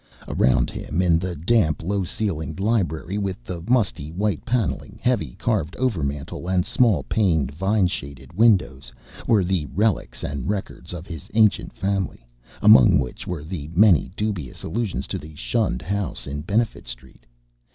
Around him in the damp, low ceiled library with the musty white panelling, heavy carved overmantel and small paned, vine shaded windows, were the relics and records of his ancient family, among which were many dubious allusions to the shunned house in Benefit Street.